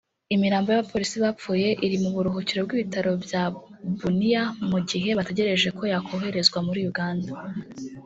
Imirambo y’abapolisi bapfuye iri mu buhurukiro bw’ibitaro bya Bunia mu gihe bategereje ko yokoherezwa muri Uganda